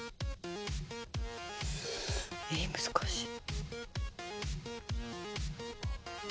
え難しい。